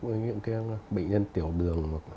với những cái bệnh nhân tiểu đường